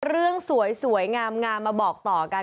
เรื่องสวยงามมาบอกต่อกัน